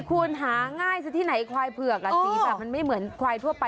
ควายเผือก